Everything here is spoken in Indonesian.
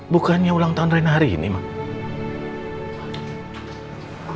bukannya ulang tahun rena hari ini mbak